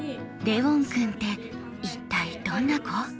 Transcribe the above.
レウォン君って一体どんな子？